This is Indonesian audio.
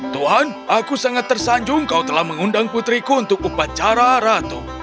tuhan aku sangat tersanjung kau telah mengundang putriku untuk upacara ratu